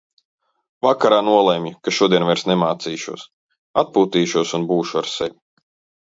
Vakarā nolemju, ka šodien vairs nemācīšos. Atpūtīšos un būšu ar sevi.